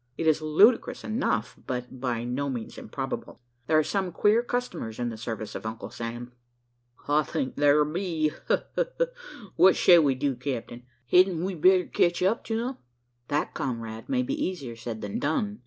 It is ludicrous enough, but by no means improbable. There are some queer customers in the service of Uncle Sam." "I think there be ha, ha, ha! What shed we do, capt'n? Hedn't we better catch up to 'em?" "That, comrade, may be easier said than done.